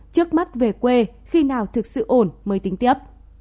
trước mắt về quê khi nào thực sự ổn mới tính tiếp